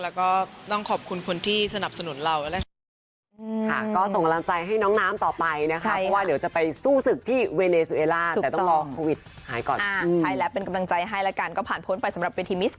แล้วก็ต้องขอบคุณคนที่สนับสนุนเรานะคะ